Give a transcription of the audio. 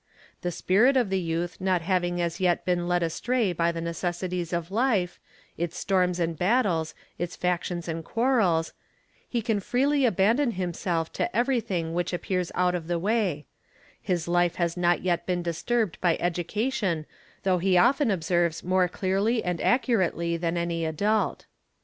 The spirit of the youth not having as yet been led astray by the necessities of life, its storms and battles, its factions and quar rels, he can freely abandon himself to everything which appears out of the way; his life has not yet been disturbed by education though "he often observes more clearly and accurately than any adult.